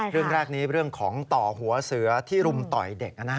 เรื่องแรกนี้เรื่องของต่อหัวเสือที่รุมต่อยเด็ก